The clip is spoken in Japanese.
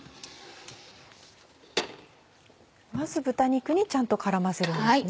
まず豚肉にちゃんと絡ませるんですね。